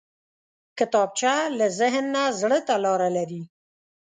کتابچه له ذهن نه زړه ته لاره لري